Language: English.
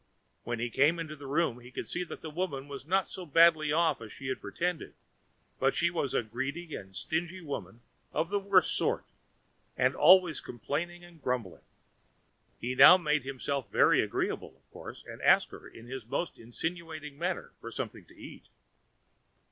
When he came into the room he could see that the woman was not so badly off as she had pretended; but she was a greedy and stingy woman of the worst sort, and was always complaining and grumbling. He now made himself very agreeable, of course, and asked her in his most insinuating manner for something to eat.